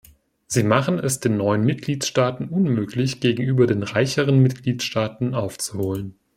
Sie machen es den neuen Mitgliedstaaten unmöglich, gegenüber den reicheren Mitgliedstaaten aufzuholen.